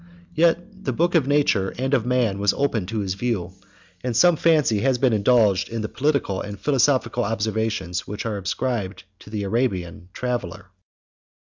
Yet the book of nature and of man was open to his view; and some fancy has been indulged in the political and philosophical observations which are ascribed to the Arabian traveller.